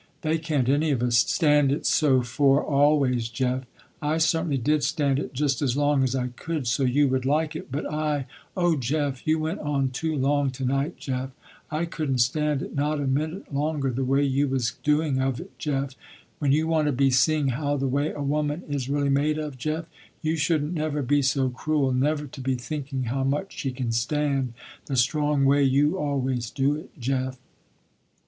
They can't any of us stand it so for always, Jeff. I certainly did stand it just as long as I could, so you would like it, but I, oh Jeff, you went on too long to night Jeff. I couldn't stand it not a minute longer the way you was doing of it, Jeff. When you want to be seeing how the way a woman is really made of, Jeff, you shouldn't never be so cruel, never to be thinking how much she can stand, the strong way you always do it, Jeff."